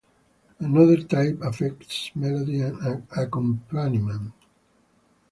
Another type affects melody and accompaniment.